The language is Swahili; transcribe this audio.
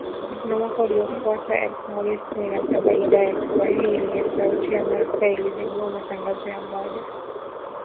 Na mwaka uliofuata, elfu moja sitini na saba, Idhaa ya Kiswahili ya Sauti ya Amerika ilizindua matangazo ya moja kwa moja kutoka studio zake mjini Washington DC